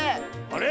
あれ？